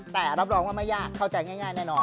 แต่รับรองว่าไม่ยากเข้าใจง่ายแน่นอน